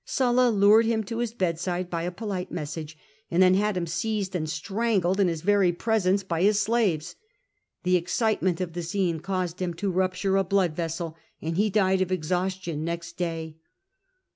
SuUa lured him to his bedside by a polite message, and then had him seized and strangled in his very presence by his slaves. The excitement of the scene caused him to rupture a blood vessel, and he died of exhaustion next day.